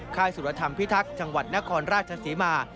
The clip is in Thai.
ค่ายสุรธรรมพิทักษ์จังหวัดนครราชศรีมา